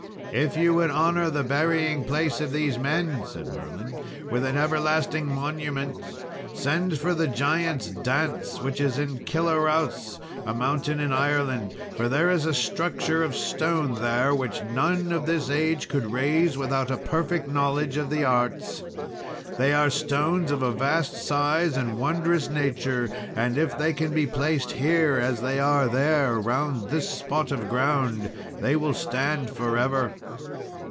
"If you would honour the burying place of these men," said Merlin, "with an everlasting monument, send for the Giants' Dance which is in Killaraus, a mountain in Ireland; for there is a structure of stone there which none of this age could raise without a perfect knowledge of the arts. They are stones of a vast size and wondrous nature, and if they can be placed here as they are there, round this spot of ground, they will stand for ever."